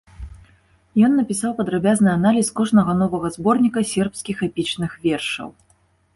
Ён напісаў падрабязны аналіз кожнага новага зборніка сербскіх эпічных вершаў.